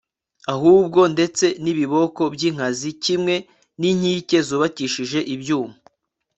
ahubwo ndetse n'ibikoko by'inkazi, kimwe n'inkike zubakishije ibyuma